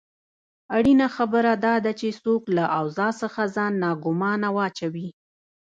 اړینه خبره داده چې څوک له اوضاع څخه ځان ناګومانه واچوي.